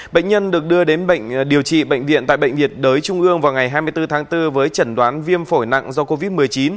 bệnh nhân được đưa đến bệnh điều trị bệnh viện tại bệnh nhiệt đới trung ương vào ngày hai mươi bốn tháng bốn với chẩn đoán viêm phổi nặng do covid một mươi chín